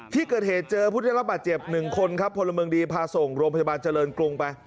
ที่เกิดเหตุเจอผู้เจ็บหนึ่งคนพลเมืองดีพาส่งรมพจบาลเจริญกรุงไป